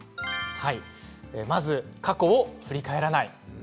まず、過去を振り返らない。